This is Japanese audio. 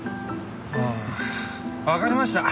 ああわかりました。